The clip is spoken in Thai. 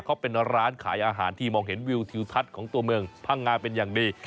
เขาเป็นร้านขายอาหารที่มองเห็นวิวทิวทัศน์ของตัวเมืองพังงาเป็นอย่างดี